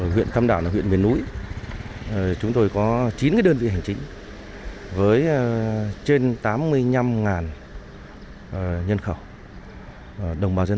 huyện tam đảo là huyện miền núi chúng tôi có chín đơn vị hành chính với trên tám mươi năm nhân khẩu